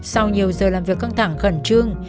sau nhiều giờ làm việc căng thẳng khẩn trương